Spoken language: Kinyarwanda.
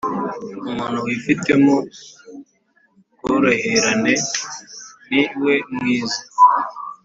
Umuntu wifitemo ubworoherane ni we mwiza